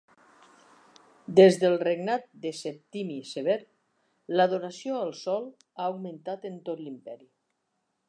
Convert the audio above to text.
Des del regnat de Septimi Sever, l'adoració al sol ha augmentat en tot l'Imperi.